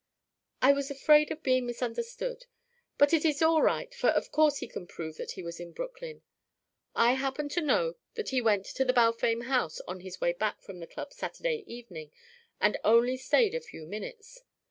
"I was afraid of being misunderstood. But it is all right, for of course he can prove that he was in Brooklyn. I happen to know that he went to the Balfame house on his way back from the club Saturday evening, and only stayed a few minutes.